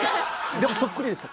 でもそっくりでした。